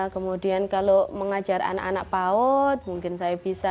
kemudian kalau mengajar anak anak paut mungkin saya bisa